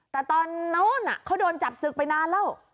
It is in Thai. แต่ตอนโน้นเขาโดนจับศึกไปนานแล้ว